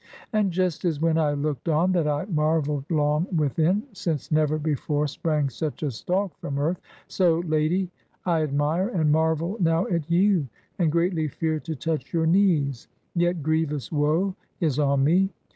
And just as when I looked on that I marveled long within, since never before sprang such a stalk from earth; so, lady, I admire and marvel now at you, and greatly fear to touch your knees. Yet grievous woe is on me.